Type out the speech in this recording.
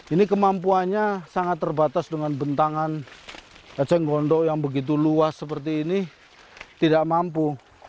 ini kemampuannya sangat terbatas dengan bentangan eceng gondok yang begitu luas seperti ini tidak mampu